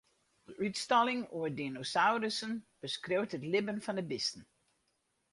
De útstalling oer dinosaurussen beskriuwt it libben fan de bisten.